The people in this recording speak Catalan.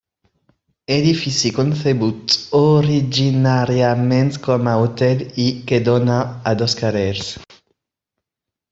Edifici concebut originàriament com a hotel i que dóna a dos carrers.